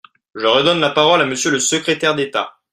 Je redonne la parole à Monsieur le secrétaire d’État.